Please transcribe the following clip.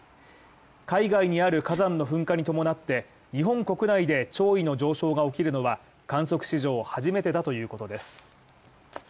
海外にある火山の噴火に伴って、日本国内で潮位の上昇が起きるのは観測史上初めてだということです。